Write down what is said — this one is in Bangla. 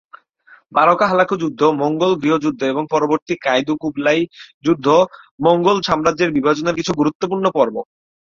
বারকা-হালাকু যুদ্ধ, মঙ্গোল গৃহযুদ্ধ এবং পরবর্তী কাইদু-কুবলাই যুদ্ধ মঙ্গোল সাম্রাজ্যের বিভাজনের কিছু গুরুত্বপূর্ণ পর্ব।